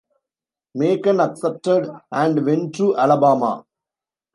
Macon accepted and went to Alabama.